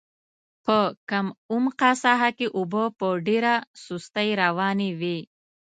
په کم عمقه ساحه کې اوبه په ډېره سستۍ روانې وې.